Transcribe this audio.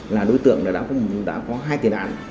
là đối tượng đã có hai tiền đạn